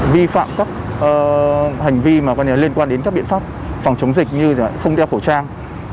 vi phạm các hành vi liên quan đến các biện pháp phòng chống dịch như không đeo khẩu trang